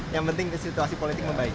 yang penting situasi politik membaik